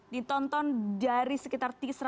ditonton dari seluruh dunia